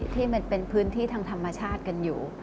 ที่มันเป็นพื้นที่ทางธรรมชาติกันอยู่